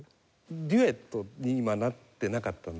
デュエットに今なってなかった残念ながら。